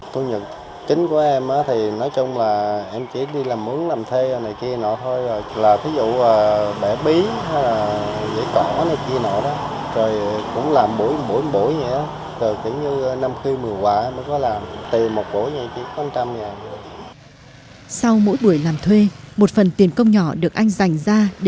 sau mỗi buổi làm thuê một phần tiền công nhỏ được anh dành ra để làm thuê